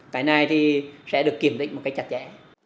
cái này thì sẽ được kiểm định một cách chặt chẽ